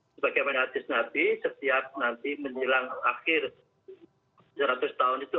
sebagai maniatis nabi setiap nanti menilang akhir seratus tahun itu